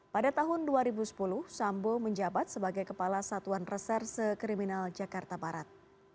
pada tahun dua ribu sepuluh sambo menjabat sebagai kepala satuan reserse kriminal jakarta barat